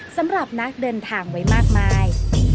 สำหรับนักเดินทางไว้มากมาย